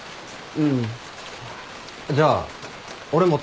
うん。